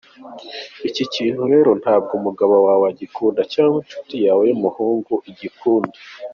Iki kintu rero ntabwo umugabo wawe agikunda cyangwa inshuti yawe y’umuhungu igikunda.